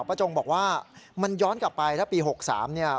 จงบอกว่ามันย้อนกลับไปถ้าปี๖๓เนี่ย